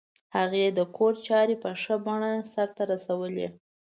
هغې د کور چارې په ښه بڼه سرته رسولې